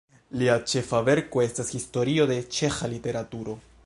Lia ĉefa verko estas Historio de ĉeĥa literaturo.